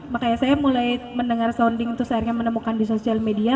makanya saya mulai mendengar sounding terus akhirnya menemukan di sosial media